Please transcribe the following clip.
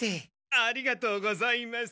ありがとうございます。